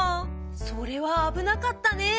それは危なかったね。